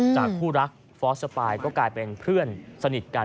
จากคู่รักฟอสต์จะไปก็กลายเป็นเพื่อนสนิทกัน